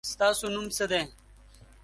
ستاسو نوم څه دی؟